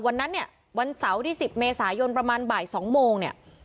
วันนั้นเนี่ยวันเสาร์ที่๑๐เมษายนประมาณบ่าย๒โมงเนี่ย